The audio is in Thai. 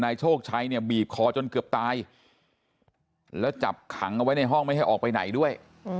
โชคชัยเนี่ยบีบคอจนเกือบตายแล้วจับขังเอาไว้ในห้องไม่ให้ออกไปไหนด้วย